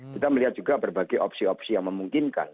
kita melihat juga berbagai opsi opsi yang memungkinkan